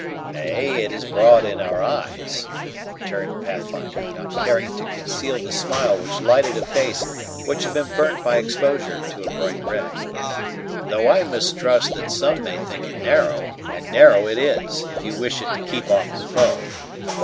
"Nay, it is broad in our eyes," returned Pathfinder, not caring to conceal the smile which lighted a face which had been burnt by exposure to a bright red; "though I mistrust that some may think it narrow; and narrow it is, if you wish it to keep off the foe.